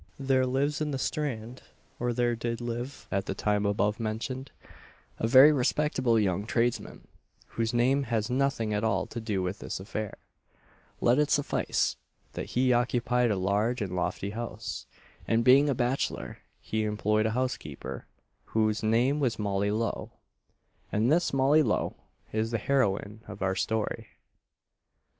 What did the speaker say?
There lives in the Strand or there did live at the time above mentioned a very respectable young tradesman, whose name has nothing at all to do with this affair; let it suffice, that he occupied a large and lofty house; and being a bachelor, he employed a housekeeper, whose name was Molly Lowe; and this Molly Lowe is the heroine of our story.